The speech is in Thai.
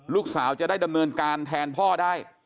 จะได้ดำเนินการแทนพ่อได้